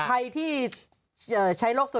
ก็ใช่เรา